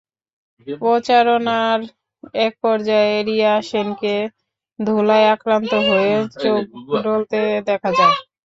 প্রচারণার একপর্যায়ে রিয়া সেনকে ধুলায় আক্রান্ত হয়ে চোখ ডলতে দেখা যায়।